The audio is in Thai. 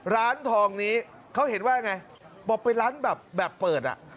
ร้านทองนี้เขาเห็นว่าเรายงไงปบไปร้านแบบแบบเปิด